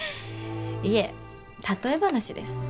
いえ例え話です。